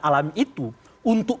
alami itu untuk